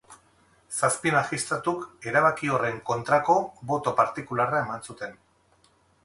Zazpi magistratuk erabaki horren kontrako boto partikularra eman zuten.